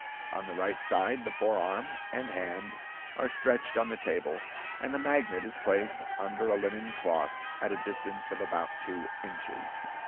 On the right side the forearm and hand are stretched on the table, and the magnet is placed under a linen cloth at a distance of about two inches.